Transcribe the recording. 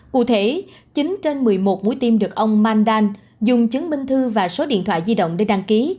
cụ thể chín trên một mươi một mũi tim được ông mandan dùng chứng minh thư và số điện thoại di động để đăng ký